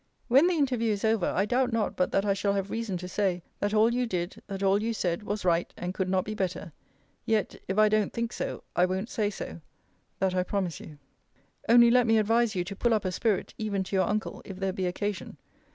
When the interview is over, I doubt not but that I shall have reason to say, that all you did, that all you said, was right, and could not be better: yet, if I don't think so, I won't say so; that I promise you. Only let me advise you to pull up a spirit, even to your uncle, if there be occasion.